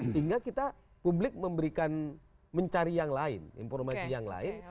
sehingga kita publik memberikan mencari yang lain informasi yang lain